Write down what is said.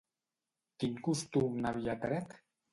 Quin costum n'havia tret?